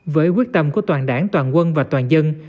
với quyết tâm của toàn đảng toàn quân và toàn dân